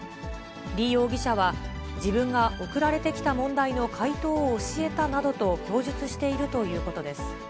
李容疑者は、自分が送られてきた問題の解答を教えたなどと供述しているということです。